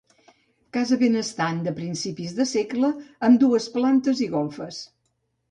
Casa benestant, de principis de segle amb dues plantes i golfes.